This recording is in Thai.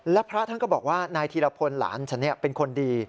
และพระท่านก็บอกว่านายธีรพลหลานฉันเป็นคนดี